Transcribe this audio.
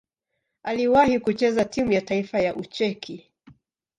Aliwahi kucheza timu ya taifa ya Ucheki.